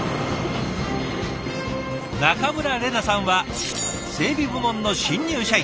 中村令奈さんは整備部門の新入社員。